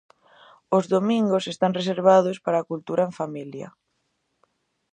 Os domingos están reservados para a cultura en familia.